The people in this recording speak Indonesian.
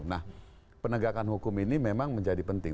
nah penegakan hukum ini memang menjadi penting